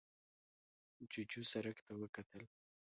جوجو سرک ته وکتل.